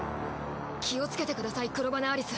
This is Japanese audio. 気をつけてください黒羽アリス。